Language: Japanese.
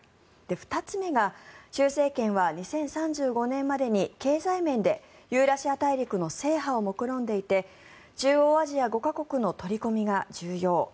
２つ目が習政権は２０３５年までに経済面でユーラシア大陸の制覇をもくろんでいて中央アジア５か国の取り込みが重要。